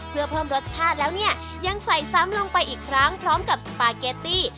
เพื่อเพิ่มรสชาติแล้วเนี่ยยังใส่ซ้ำลงไปอีกครั้งพร้อมกับสปาเกตตี้